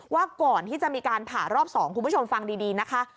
ว่าก่อนที่จะมีการผ่ารอบ๒คุณผู้ชมฟังดีนะคะ